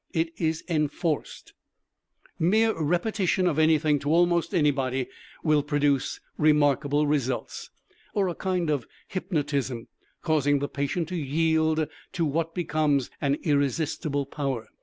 It is enforced. Mere repetition of anything to almost anybody, will produce remarkable results; or a kind of Hypnotism Causing the patient to yield to what becomes an irresistible power.